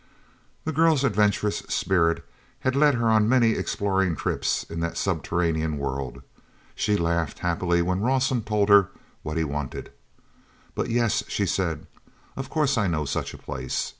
The girl's adventurous spirit had led her on many exploring trips in that subterranean world. She laughed happily when Rawson told her what he wanted. "But, yes," she said; "of course I know such a place."